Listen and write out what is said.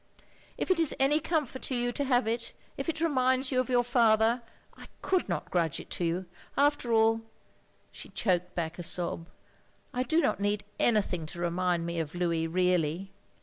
"If it is any comfort to you to have it — if it reminds you of your father — I could not grudge it to you. After all —" she choked back a sob —" I do not need anything to remind me of Louis really.